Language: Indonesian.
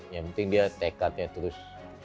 yang penting dia tekadnya terus